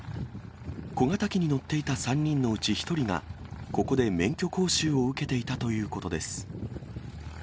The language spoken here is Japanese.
小型機に乗っていた３人のうち１人が、ここで免許講習を受けていたということです。